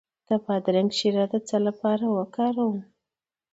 د بادرنګ شیره د څه لپاره وکاروم؟